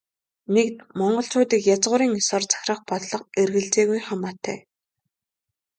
Нэгд, монголчуудыг язгуурын ёсоор захирах бодлого эргэлзээгүй хамаатай.